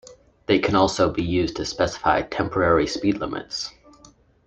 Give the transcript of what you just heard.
They can also be used to specify temporary speed limits.